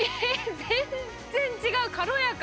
全然違う、軽やか！